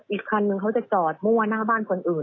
อีกคันนึงเขาจะจอดมั่วหน้าบ้านคนอื่น